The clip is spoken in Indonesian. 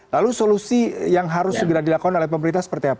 lalu solusi yang harus segera dilakukan oleh pemerintah seperti apa